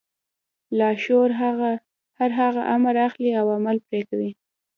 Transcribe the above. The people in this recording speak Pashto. لاشعور هر هغه امر اخلي او عمل پرې کوي.